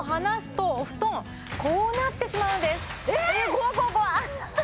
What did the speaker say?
怖怖怖っ！